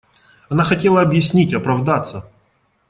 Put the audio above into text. Она хотела объяснить, оправдаться.